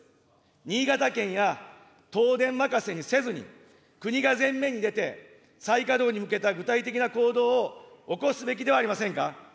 新潟県や東電任せにせずに、国が前面に出て、再稼働に向けた具体的な行動を起こすべきではありませんか。